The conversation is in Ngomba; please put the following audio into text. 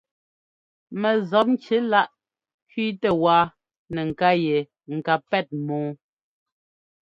Mɛ zɔpŋki láꞌ kẅíitɛ wáa nɛ ŋká yɛ ŋ ká pɛ́t mɔ́ɔ.